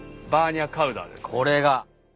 これが。